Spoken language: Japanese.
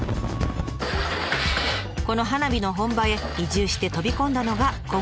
この花火の本場へ移住して飛び込んだのが今回の主人公。